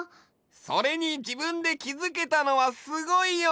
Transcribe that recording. それに自分できづけたのはすごいよ！